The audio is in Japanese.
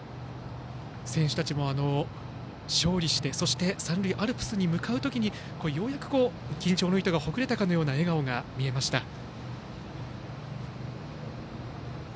選手たちも勝利して三塁アルプスに向かうときにようやく緊張の糸がほぐれたかのような笑顔が見えました。